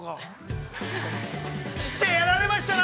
◆してやられましたな。